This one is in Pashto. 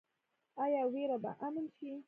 آیا ویره به امن شي؟